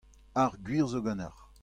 Ar gwir zo ganeoc'h.